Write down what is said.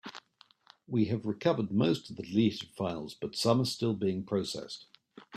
We have recovered most of the deleted files, but some are still being processed.